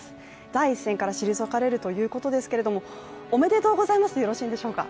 第一線から退かれるということですけれども、「おめでとうございます」でよろしいんでしょうか。